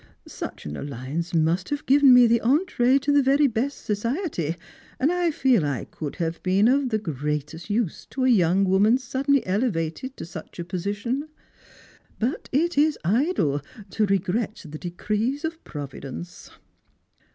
Such an alliance must have given me the entrep to the very best society; and I feel that I could have been of the greatest use to a young woman suddenly elevated to such a position. But it is idle to regret the decrees of Providence."